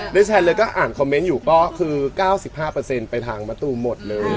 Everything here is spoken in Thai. ได้แชร์แล้วก็อ่านคอมเมนต์อยู่ก็คือ๙๕ไปทางมะตูมหมดเลย